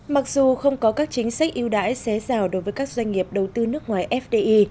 mặc dù không có các chính sách yêu đãi xé rào đối với các doanh nghiệp đầu tư nước ngoài fdi